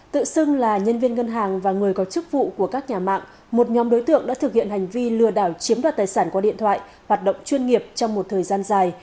tự xưng là nhân viên ngân hàng và người có chức vụ của các nhà mạng một nhóm đối tượng đã thực hiện hành vi lừa đảo chiếm đoạt tài sản qua điện thoại hoạt động chuyên nghiệp trong một thời gian dài